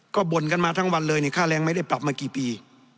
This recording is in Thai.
ก็บ่นกันมาทั้งวันเลยค่าแรงไม่ได้ปรับมากี่ปี